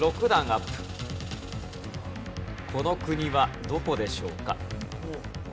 この国はどこでしょうか？